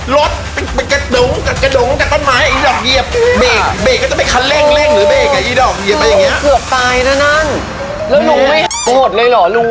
แล้วลุงไม่หดเลยเหรอลุง